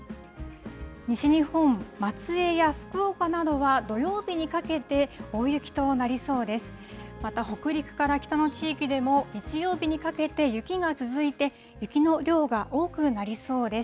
西日本、松江や福岡などは土曜日にかけて大雪となりそうです。